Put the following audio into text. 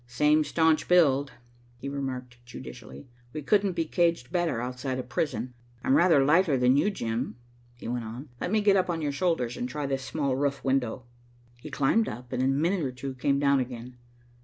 "Same staunch build," he remarked judicially. "We couldn't be caged better, outside a prison. I'm rather lighter than you, Jim," he went on, "let me get up on your shoulders and try this small roof window." He climbed up, and in a minute or two came down again.